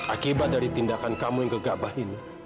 akibat dari tindakan kamu yang gegabah ini